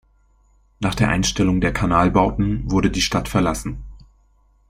Nach der Einstellung der Kanalbauten wurde die Stadt verlassen.